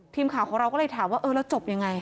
ทีมข่าวของเราก็เลยถามว่าเออแล้วจบยังไง